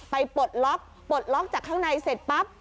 ปลดล็อกปลดล็อกจากข้างในเสร็จปั๊บ